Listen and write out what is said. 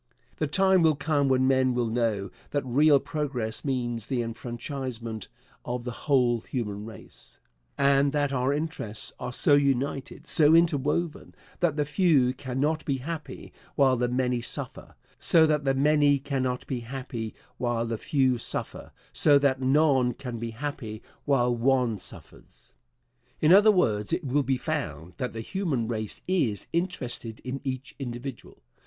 The time will come when men will know that real progress means the enfranchisement of the whole human race, and that our interests are so united, so interwoven, that the few cannot be happy while the many suffer; so that the many cannot be happy while the few suffer; so that none can be happy while one suffers. In other words, it will be found that the human race is interested in each individual.